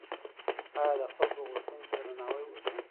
آيا د خلګو غوښتنو ته درناوی وسو؟